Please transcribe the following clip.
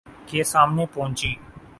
کے سامنے پہنچی